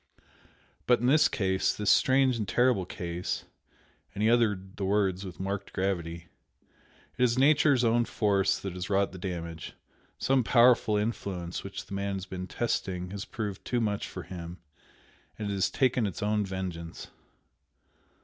But in this case, this strange and terrible case" and he uttered the words with marked gravity, "It is Nature's own force that has wrought the damage, some powerful influence which the man has been testing has proved too much for him and it has taken its own vengeance."